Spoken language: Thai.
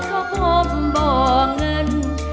ก็พบบ่เงิน